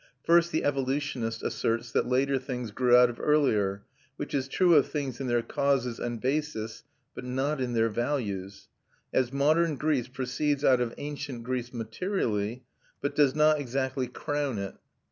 First the evolutionist asserts that later things grow out of earlier, which is true of things in their causes and basis, but not in their values; as modern Greece proceeds out of ancient Greece materially but does not exactly crown it.